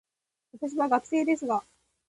私は学生ですが、